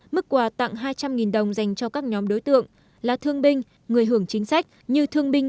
mức quà tặng hai trăm linh đồng dành cho các nhóm đối tượng là thương binh người hưởng chính sách như thương binh